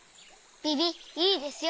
ビビいいですよ。